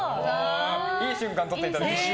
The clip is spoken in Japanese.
いい瞬間を撮っていただきました。